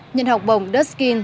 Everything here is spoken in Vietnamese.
nhân học bồng duskin